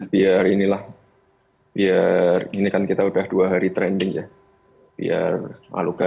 biar inilah biar ini kan kita udah dua hari trending ya biar algoritmanya stabil itu aja